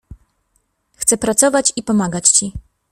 Chcę pracować i pomagać ci.